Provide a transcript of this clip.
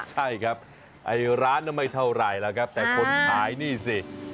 ใช่ครับไอ้ร้านนั้นไม่เท่าไหร่แล้วครับแต่คนขายนี่สิ